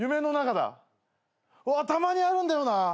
たまにあるんだよな。